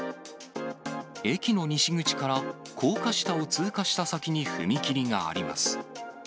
駅の西口から高架下を通過した先に踏切があります。